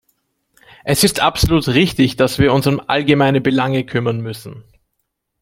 Es ist absolut richtig, dass wir uns um allgemeine Belange kümmern müssen.